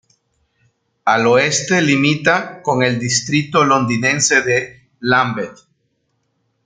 Al oeste limita con el distrito londinense de Lambeth.